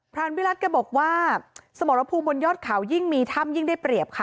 รานวิรัติแกบอกว่าสมรภูมิบนยอดเขายิ่งมีถ้ำยิ่งได้เปรียบค่ะ